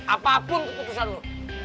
apapun keputusan lo